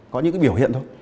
có những cái biểu hiện thôi